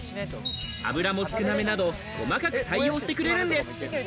油も少なめなど細かく対応してくれるんです。